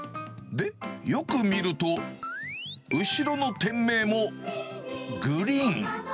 で、よく見ると、後ろの店名もグリーン。